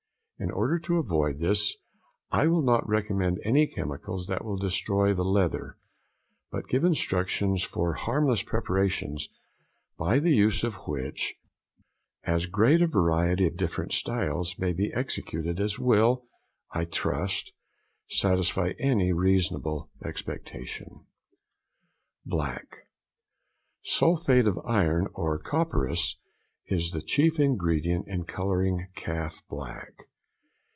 In order to avoid this, I will not recommend any chemicals that will destroy the leather, but give instructions for harmless preparations, by the use of which as great a variety of different styles may be executed as will, I trust, satisfy any reasonable expectation. Black.—Sulphate of iron or copperas is the chief ingredient in colouring calf black.